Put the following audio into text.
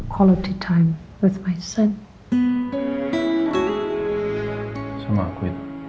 kualitas waktu bersama anakku